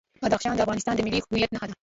بدخشان د افغانستان د ملي هویت نښه ده.